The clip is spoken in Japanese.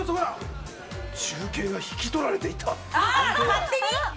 中継が引き取られていた。